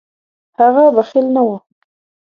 هغه بخیل نه و.